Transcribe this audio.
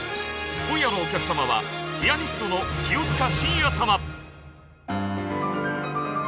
今夜のお客様はピアニストの清塚信也様。